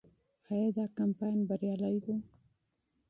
آیا دا کمپاین بریالی و؟